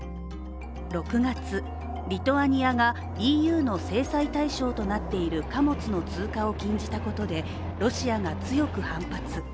６月、リトアニアがＥＵの制裁対象となっている貨物の通過を禁じたことでロシアが強く反発。